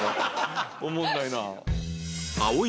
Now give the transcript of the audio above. おもんないな。